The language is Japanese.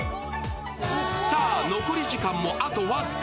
さあ、残り時間もあと僅か。